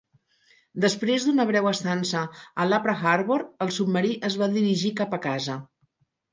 Després d'una breu estança a l'Apra Harbor, el submarí es va dirigir cap a casa.